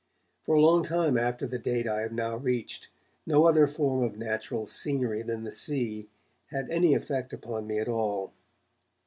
For a long time after the date I have now reached, no other form of natural scenery than the sea had any effect upon me at all.